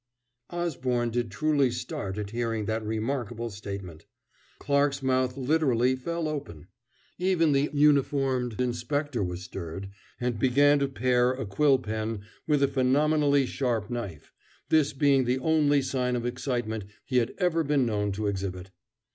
Osborne did truly start at hearing that remarkable statement. Clarke's mouth literally fell open; even the uniformed inspector was stirred, and began to pare a quill pen with a phenomenally sharp knife, this being the only sign of excitement he had ever been known to exhibit.